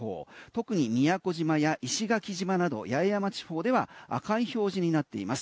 特に宮古島や石垣島など八重山地方では赤い表示になっています。